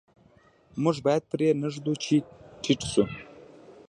موږ باید پرې نه ږدو چې ټیټ شو.